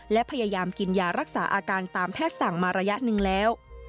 และพยายามกินยารักษาอาการตามแพทย์สั่งมาระยะหนึ่งแล้ว